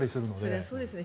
そりゃそうですよね。